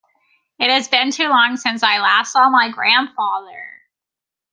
It has been too long since I last saw my grandfather.